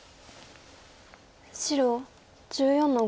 白１４の五。